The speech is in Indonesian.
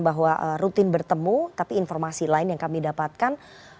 bahwa rutin bertemu tapi informasi lain yang kami dapatkan